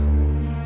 itu tugas kalian